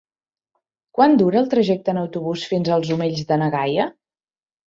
Quant dura el trajecte en autobús fins als Omells de na Gaia?